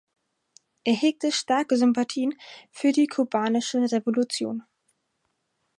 Er hegte starke Sympathien für die kubanische Revolution.